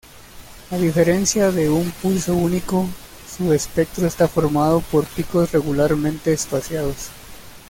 A diferencia de un pulso único, su espectro está formado por picos regularmente espaciados.